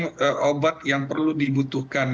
yang obat yang perlu dibutuhkan